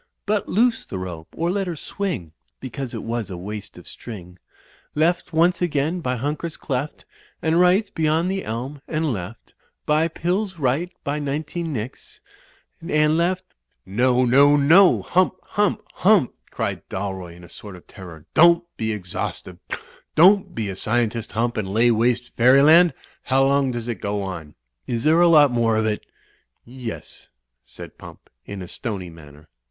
But loose the rope or let her swing, Because it was a waste of string; Digitized by CjOOQ IC THE ROAD TO ROUNDABOUT 273 Left once again by Hunker's Cleft, And right beyond the elm, and left, By Piirs right by Nineteen Nicks And left " ''No! No! No! Hump! Hump! Hump!'' cried Dalroy in a sort of terror. "Don't be exhaustive! Don't be a scientist. Hump, and lay waste fairyland! How long does it go on? Is there a lot more of it?" ''Yes," said Pump, in a stony manner.